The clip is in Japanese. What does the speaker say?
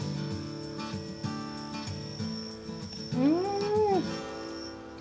うん！